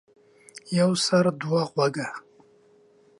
يو سر ،دوه غوږه.